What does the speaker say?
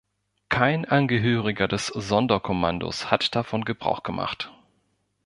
Kein Angehöriger des Sonderkommandos hat davon Gebrauch gemacht.